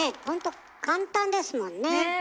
ほんと簡単ですもんね。